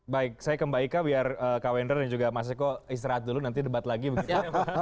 baik saya kembaikan biar kak wender dan juga mas eko istirahat dulu nanti debat lagi begitu